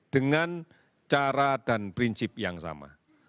dengan cara dan prinsip yang sama